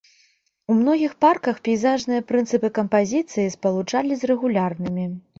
У многіх парках пейзажныя прынцыпы кампазіцыі спалучалі з рэгулярнымі.